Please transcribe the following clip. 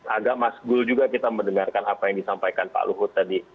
agak masgul juga kita mendengarkan apa yang disampaikan pak luhut tadi